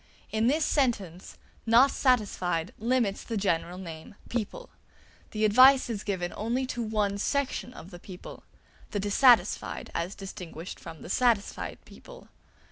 In this sentence "not satisfied" limits the general name "people"; the advice is given only to one section of the people: the dissatisfied as distinguished from the satisfied people.